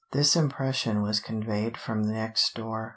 This impression was conveyed from next door.